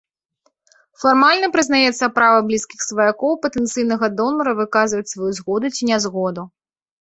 Фармальна прызнаецца права блізкіх сваякоў патэнцыйнага донара выказваць сваю згоду ці нязгоду.